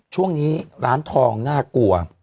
ช่วงนี้ร้านทองน่ากลัว